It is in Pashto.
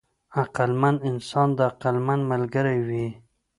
عقلمند انسان د عقلمند ملګری وي.